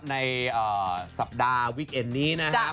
ในสัปดาห์วิคเก็นนี้นะฮะ